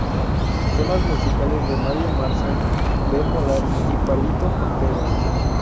Temas musicales de Mario Marzán, Ben Molar y Palito Ortega.